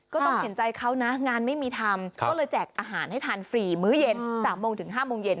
ก็ต้องเห็นใจเขานะงานไม่มีทำก็เลยแจกอาหารให้ทานฟรีมื้อเย็น๓โมงถึง๕โมงเย็น